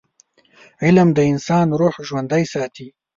علم د انسان روح ژوندي ساتي.